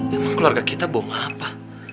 memang keluarga kita bohong apa